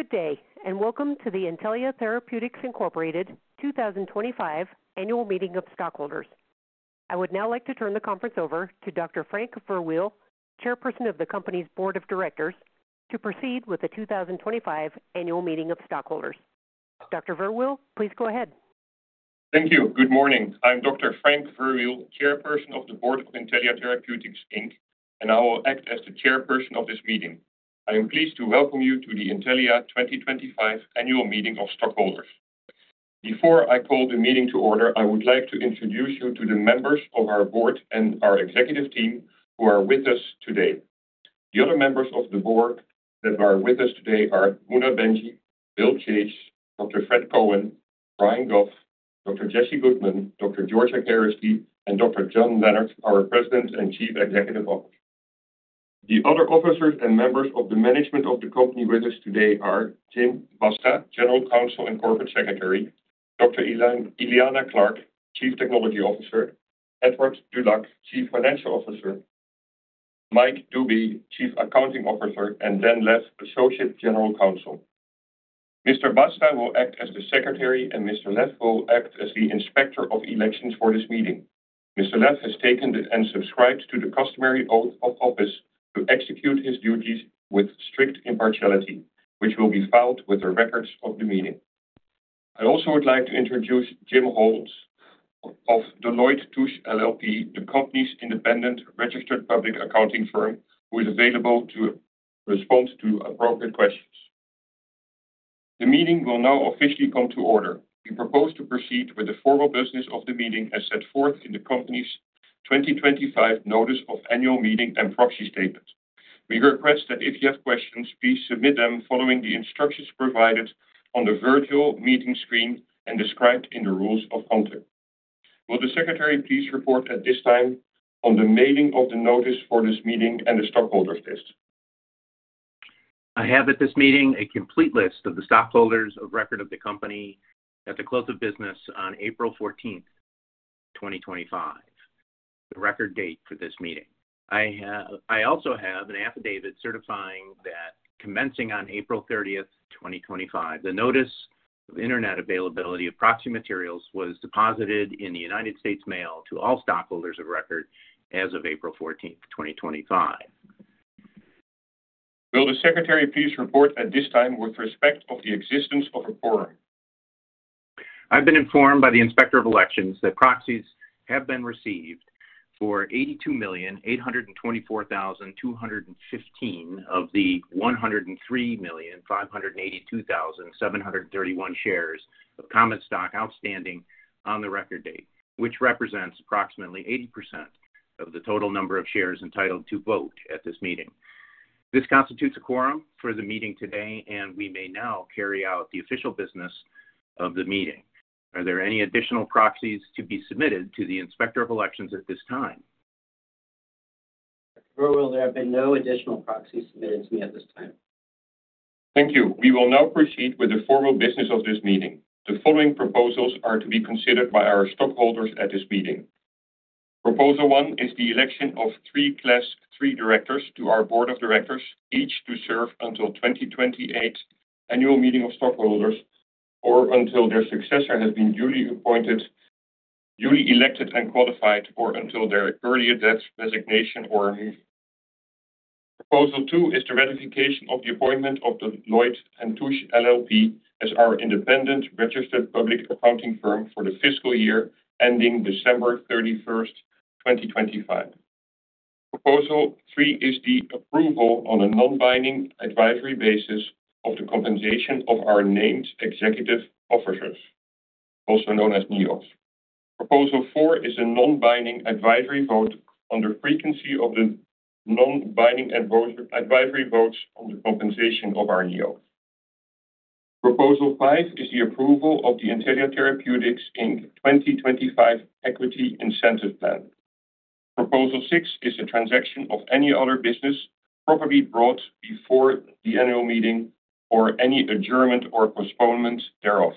Good day and welcome to the Intellia Therapeutics 2025 Annual Meeting of Stockholders. I would now like to turn the conference over to Dr. Frank Verwiel, Chairperson of the company's Board of Directors, to proceed with the 2025 Annual Meeting of Stockholders. Dr. Verwiel, please go ahead. Thank you. Good morning. I'm Dr. Frank Verwiel, Chairperson of the Board of Intellia Therapeutics. I will act as the chairperson of this meeting. I am pleased to welcome you to the Intellia 2025 Annual Meeting of Stockholders. Before I call the meeting to order, I would like to introduce you to the members of our board and our executive team who are with us today. The other members of the board that are with us today are Muna Bhanji, William Chase, Dr. Fred Cohen, Brian Goff, Dr. Jesse Goodman, Dr. Georgia Keresky, and Dr. John Leonard, our President and Chief Executive Officer. The other officers and members of the management of the company with us today are Tim Basta, General Counsel and Corporate Secretary, Dr. Eliana Clark, Chief Technology Officer, Edward Dulac, Chief Financial Officer, Mike Duby, Chief Accounting Officer, and then Mr. Lev, Associate General Counsel. Mr. Basta will act as the Secretary and Mr. Lev will act as the inspector of elections for this meeting. Mr. Lev has taken and subscribed to the customary oath of office to execute his duties with strict impartiality, which will be filed with the records of the meeting. I also would like to introduce Jim Holtz of Deloitte & Touche LLP, the company's independent registered public accounting firm, who is available to respond to appropriate questions. The meeting will now officially come to order. We propose to proceed with the formal business of the meeting as set forth in the company's 2025 Notice of Annual Meeting and Proxy Statement. We request that if you have questions, please submit them following the instructions provided on the virtual meeting screen and described in the rules of conduct. Will the secretary please report at this time on the mailing of the notice for this meeting and the stockholders list? I have at this meeting a complete list of the stockholders of record of the company at the close of business on April 14, 2025, the record date for this meeting. I also have an affidavit certifying that commencing on April 30, 2025, the notice of Internet Availability of Proxy Materials was deposited in the United States mail to all stockholders of record as of April 14, 2025. Will the Secretary please report at this time with respect to the existence of a quorum. I've been informed by the Inspector of Elections that proxies have been received for $82,824,215 of the $103,582,731 shares of common stock outstanding on the record date, which represents approximately 80% of the total number of shares entitled to vote at this meeting. This constitutes a quorum for the meeting today and we may now carry out the official business of the meeting. Are there any additional proxies to be submitted to the Inspector of Elections at this time? Verwiel? There have been no additional proxies submitted. To me at this time. Thank you. We will now proceed with the formal business of this meeting. The following proposals are to be considered by our stockholders at this meeting. Proposal one is the election of three Class 3 Directors to our Board of Directors, each to serve until the 2028 Annual Meeting of stockholders or until their successor has been duly appointed, duly elected and qualified, or until their earlier death, resignation, or removal. Proposal two is the ratification of the appointment of Deloitte & Touche LLP as our independent registered public accounting firm for the fiscal year ending December 31, 2025. Proposal three is the approval on a non-binding advisory basis of the compensation of our Named Executive Officers, also known as NEO. Proposal four is a non-binding advisory vote on the frequency of the non-binding advisory votes on the compensation of our NEO. Proposal 5 is the approval of the Intellia Therapeutics 2025 Equity Incentive Plan. Proposal 6 is a transaction of any other business properly brought before the Annual Meeting or any adjournment or postponement thereof.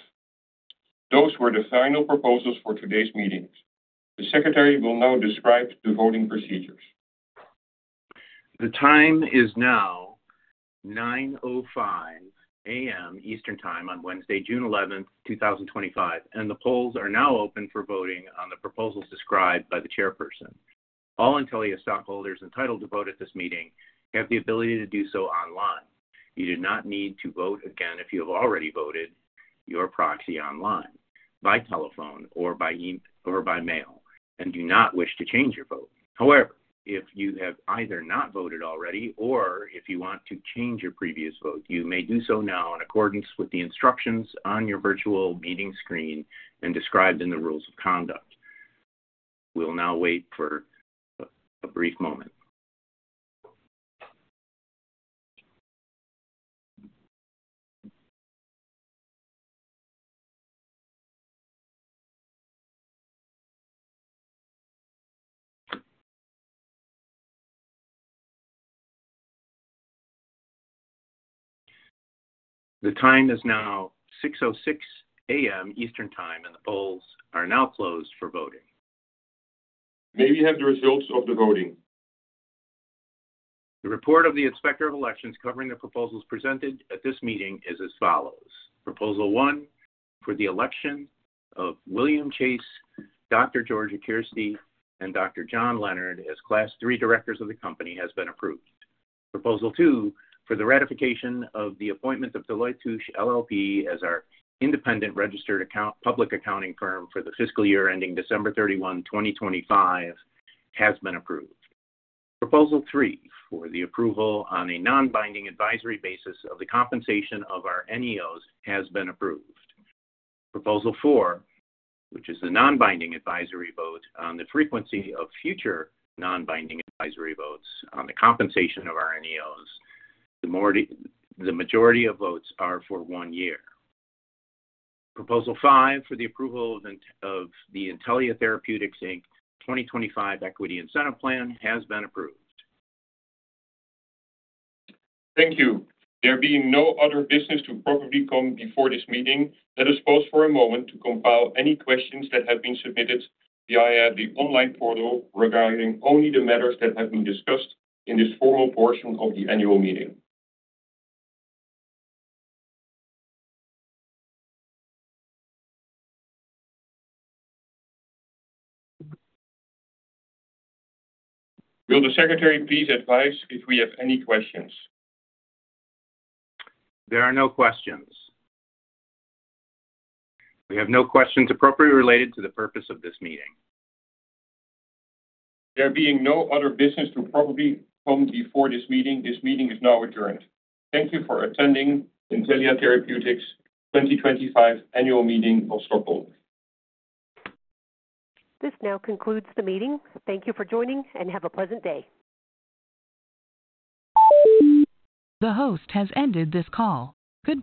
Those were the final proposals for today's meetings. The Secretary will now describe the voting procedures. The time is now 9:05 A.M. Eastern Time on Wednesday, June 11, 2025, and the polls are now open for voting on the proposals described by the Chairperson. All Intellia stockholders entitled to vote at this meeting have the ability to do so online. You do not need to vote again if you have already voted your proxy online, by telephone, or by mail and do not wish to change your vote. However, if you have either not voted already or if you want to change your previous vote, you may do so now in accordance with the instructions on your virtual meeting screen and as described in the Rules of Conduct. We'll now wait for a brief moment. The time is now 6:06 A.M. Eastern Time and the polls are now closed for voting. May we have the results of the voting? The report of the Inspector of Elections covering the proposals presented at this meeting is as follows. Proposal 1 for the election of William Chase, Dr. Georgia Keresky and Dr. John Leonard as Class 3 Directors of the company has been approved. Proposal 2 for the ratification of the appointment of Deloitte & Touche LLP as our independent registered public accounting firm for the fiscal year ending December 31, 2025 has been approved. Proposal 3 for the approval on a non-binding advisory basis of the compensation of our NEOs, has been approved. Proposal 4, which is the non-binding advisory vote on the frequency of future non-binding advisory votes on the compensation of our NEOs, the majority of votes are for one year. Proposal 5 for the approval of the Intellia Therapeutics 2025 Equity Incentive Plan has been approved. Thank you. There being no other business to properly come before this meeting, let us pause for a moment to compile any questions that have been submitted via the online portal regarding only the matters that have been discussed in this formal portion of the Annual Meeting. Will the secretary please advise if we have any questions? There are no questions. We have no questions appropriately related to the purpose of this meeting. There being no other business to probably come before this meeting. This meeting is now adjourned. Thank you for attending Intellia Therapeutics 2025 Annual Meeting of Stockholders. This now concludes the meeting. Thank you for joining and have a pleasant day. The host has ended this call. Goodbye.